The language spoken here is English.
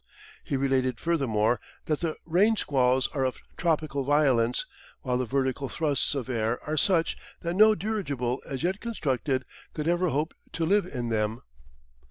He related furthermore that the rain squalls are of tropical violence, while the vertical thrusts of air are such that no dirigible as yet constructed could ever hope to live in them.